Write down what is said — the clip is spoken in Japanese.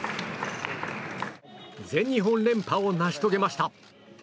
全日本連覇を成し遂げました。